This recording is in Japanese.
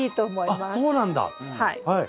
あっそうなんだ。